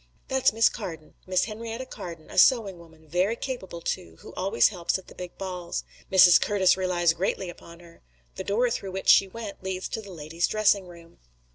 "That's Miss Carden, Miss Henrietta Carden, a sewing woman, very capable too, who always helps at the big balls. Mrs. Curtis relies greatly upon her. The door through which she went leads to the ladies' dressing room."